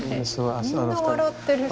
みんな笑ってるし。